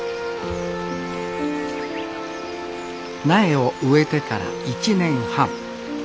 苗を植えてから１年半。